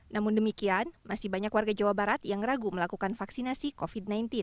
namun demikian masih banyak warga jawa barat yang ragu melakukan vaksinasi covid sembilan belas